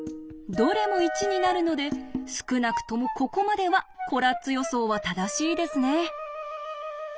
どれも１になるので少なくともここまではコラッツ予想は正しいですね。